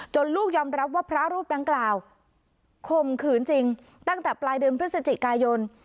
ลูกยอมรับว่าพระรูปดังกล่าวข่มขืนจริงตั้งแต่ปลายเดือนพฤศจิกายน